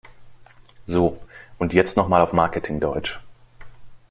So, und jetzt noch mal auf Marketing-Deutsch!